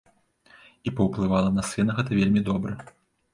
І паўплывала на сына гэта вельмі добра.